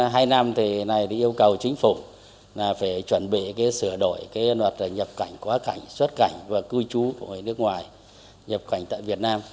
trong thời gian hai năm thì này thì yêu cầu chính phủ là phải chuẩn bị cái sửa đổi cái loạt là nhập cảnh quá cảnh xuất cảnh và cư trú của người nước ngoài nhập cảnh tại việt nam